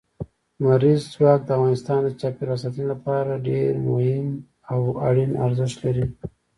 لمریز ځواک د افغانستان د چاپیریال ساتنې لپاره ډېر مهم او اړین ارزښت لري.